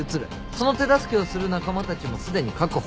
その手助けをする仲間たちもすでに確保。